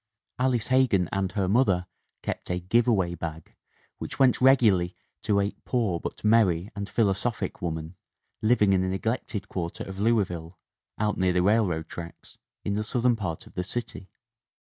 Alice Hegan and her mother kept a "give away bag" which went regularly to a "poor but merry and philo sophic woman" living in a neglected quarter of Louis ville, out near the railroad tracks, in the southern part of the city.